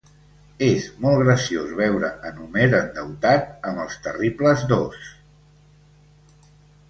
És molt graciós veure en Homer endeutat amb els terribles dos...